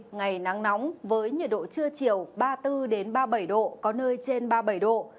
ngày nắng nóng với nhiệt độ trưa chiều ba mươi bốn ba mươi bảy độ có nơi trên ba mươi bảy độ